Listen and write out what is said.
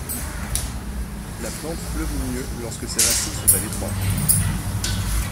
La plante fleurit mieux lorsque ses racines sont à l'étroit.